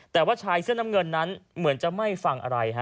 แต่ว่าชายเสื้อน้ำเงินนั้นเหมือนจะไม่ฟังอะไรฮะ